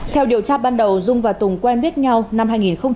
theo điều tra ban đầu dung và tùng quen biết nhau năm hai nghìn một mươi